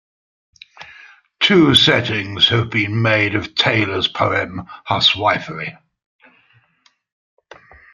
Two settings have been made of Taylor's poem "Huswifery".